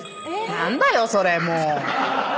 何だよそれもう。